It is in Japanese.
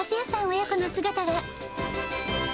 親子の姿が。